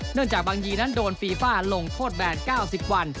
จากบางยีนั้นโดนฟีฟ่าลงโทษแบน๙๐วัน